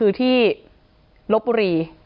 ว่าต้องเทียบเคียงกับเหตุการณ์นี้ด้วยเดี๋ยวลองฟังดูค่ะ